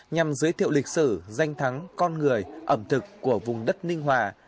nhằm giới thiệu lịch sử danh thắng con người ẩm thực của vùng đất ninh hòa